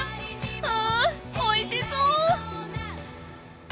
［うんおいしそう］